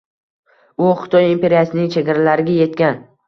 U Xitoy imperiyasining chegaralariga yetgan.